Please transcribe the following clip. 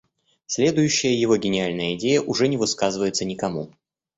Следующая его гениальная идея уже не высказывается никому.